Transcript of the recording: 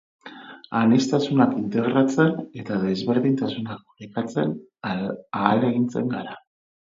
Aniztasunak integratzen eta dezberdintasunak orekatzen ahalengintzen gara.